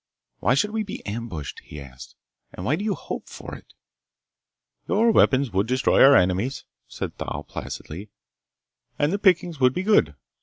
"Why should we be ambushed?" he asked. "And why do you hope for it?" "Your weapons would destroy our enemies," said Thal placidly, "and the pickings would be good."